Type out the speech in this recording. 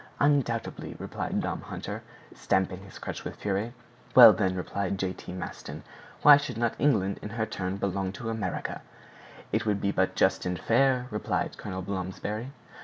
"Undoubtedly," replied Tom Hunter, stamping his crutch with fury. "Well, then," replied J. T. Maston, "why should not England in her turn belong to the Americans?" "It would be but just and fair," returned Colonel Blomsberry.